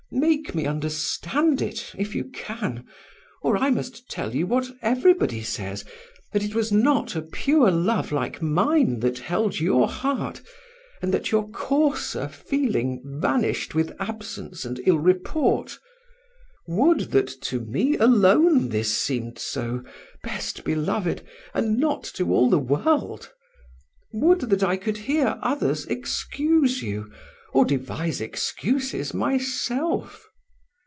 Make me understand it, if you can, or I must tell you what everybody says: that it was not a pure love like mine that held your heart, and that your coarser feeling vanished with absence and ill report. Would that to me alone this seemed so, best beloved, and not to all the world! Would that I could hear others excuse you, or devise excuses myself!